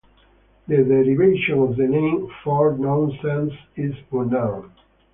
The derivation of the name "Fort Nonsense" is unknown.